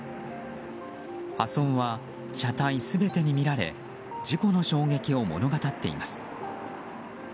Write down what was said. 破損は車体全てに見られ事故の衝撃を物語っています。